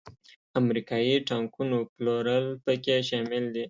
امریکایي ټانکونو پلورل پکې شامل دي.